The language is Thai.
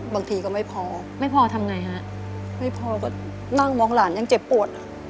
บางทีก็ไม่พอไม่พอทำไงฮะไม่พอก็นั่งมองหลานยังเจ็บปวด